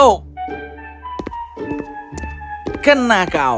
oh kena kau